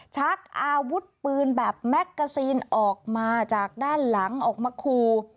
ชักอาวุธปืนแบบแมกกาซีนออกมาจากด้านหลังออกมาคู่